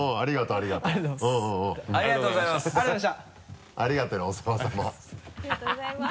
ありがとうございます。